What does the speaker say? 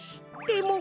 でも。